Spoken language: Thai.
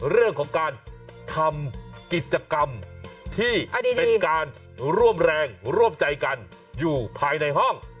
เรื่องของการทำกิจกรรมที่เป็นการร่วมแรงร่วมใจกันอยู่ภายในห้อง